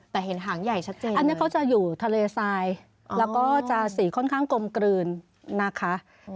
แต่เห็นหางใหญ่ชัดเจนอันนี้เขาจะอยู่ทะเลทรายแล้วก็จะสีค่อนข้างกลมกลืนนะคะ